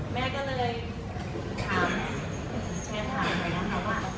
แม่ก็เลยถามแทนไหนนะ